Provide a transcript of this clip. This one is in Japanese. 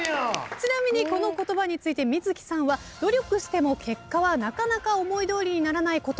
ちなみにこの言葉について水木さんは「努力しても結果はなかなか思いどおりにならないこともある」